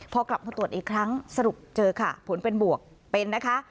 พอกลับมาตรวจอีกครั้งสรุปเจอค่ะผลเป็นบวกเป็นนะคะ